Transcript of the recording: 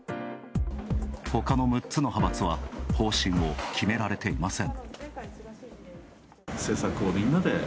ほかの６つの派閥は方針を決められていません。